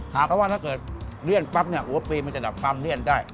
ครับเพราะว่าถ้าเกิดเลี่ยนปั๊บเนี้ยหัวปีมันจะแบบความเลี่ยนได้